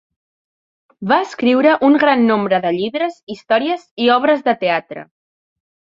Va escriure un gran nombre de llibres, històries i obres de teatre.